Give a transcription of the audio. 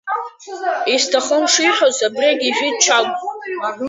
Исҭахым шиҳәоз, абригь ижәит Чагә.